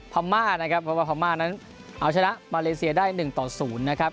เพราะว่าพรรมานั้นเอาชนะมาเลเซียได้๑๐นะครับ